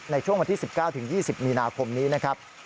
ในช่วงวันที่๑๙๒๐มีนาคมนี้นะครับ